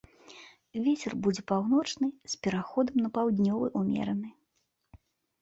Вецер будзе паўночны з пераходам на паўднёвы ўмераны.